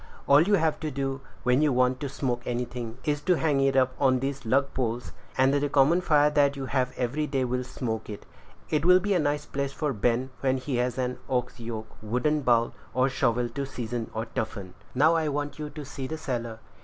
All you have to do, when you want to smoke anything, is to hang it up on these lug poles, and the common fire you have every day will smoke it. It'll be a nice place for Ben, when he has an ox yoke, wooden bowl, or shovel to season or toughen. Now I want you to see the cellar."